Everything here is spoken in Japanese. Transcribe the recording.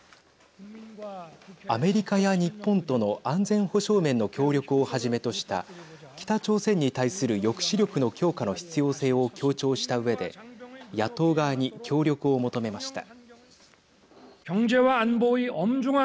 アメリカや日本との安全保障面の協力をはじめとした北朝鮮に対する抑止力の強化の必要性を強調したうえで野党側に協力を求めました。